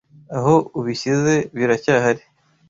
aho ubishyize biracyahari